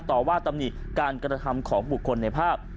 ต่อว่าตำหนิการกระทำของบุคคลในภาพ